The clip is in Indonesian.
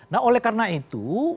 nah oleh karena itu